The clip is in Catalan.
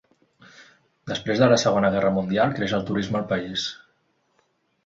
Després de la Segona Guerra Mundial, creix el turisme al país.